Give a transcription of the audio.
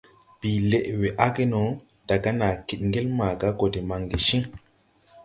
Bìi lɛʼ wɛ age no, daga nàa kid ŋgel maaga gɔ de maŋge ciŋ.